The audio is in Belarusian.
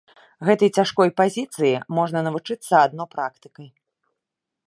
Гэтай цяжкой пазіцыі можна навучыцца адно практыкай.